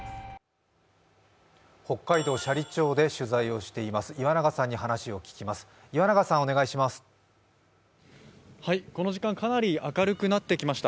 北海道斜里町で取材をしています岩永さんに話を聞きます。